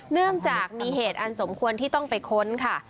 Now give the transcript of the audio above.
เนื่องจากมีเหตุอันสมควรที่ต้องไปค้นค่ะ